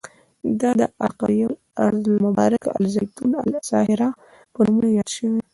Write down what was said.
دا د القریه، ارض المبارک، الزیتون او الساهره په نومونو یاد شوی.